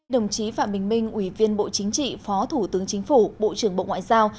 đồng chí phạm bình minh ủy viên bộ chính trị phó thủ tướng chính phủ bộ trưởng bộ ngoại giao